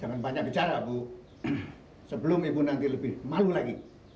jangan banyak bicara bu sebelum ibu nanti lebih malu lagi